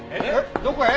どこへ？